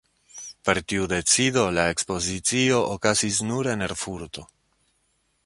Per tiu decido la ekspozicio okazis nur en Erfurto.